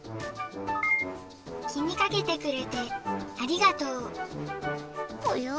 気にかけてくれてありがとう。